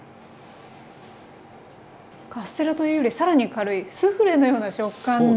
カステラというよりさらに軽いスフレのような食感で。